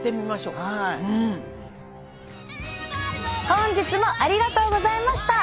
本日もありがとうございました！